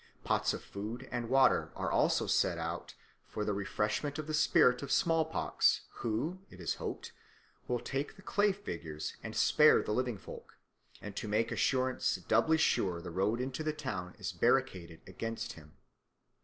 Pots of food and water are also set out for the refreshment of the spirit of small pox who, it is hoped, will take the clay figures and spare the living folk; and to make assurance doubly sure the road into the town is barricaded against him.